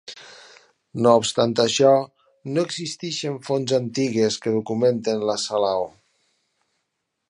No obstant això, no existeixen fonts antigues que documentin la salaó.